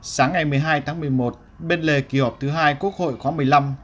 sáng ngày một mươi hai tháng một mươi một bên lề kỳ họp thứ hai quốc hội khóa một mươi năm